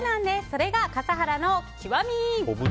それが笠原の極み。